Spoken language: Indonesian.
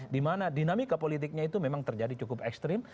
dimana dinamika politiknya itu memang terjadi cukup ekstrim